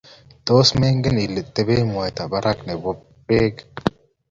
Tos mengen Ile tebe mwaita barak nebo bek